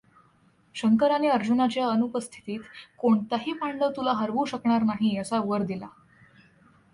शंकराने अर्जुनाच्या अनुपस्थितीत कोणताही पांडव तुला हरवू शकणार नाही असा वर दिला.